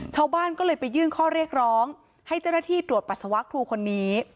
ชาวบ้านก็เลยไปยื่นข้อเรียกร้องให้เจ้าหน้าที่ตรวจปัสสาวะครูคนนี้